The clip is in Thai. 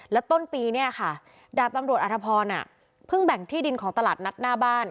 แล้วต้นปีเนี่ยค่ะดาบตำรวจอธพรเพิ่งแบ่งที่ดินของตลาดนัดหน้าบ้าน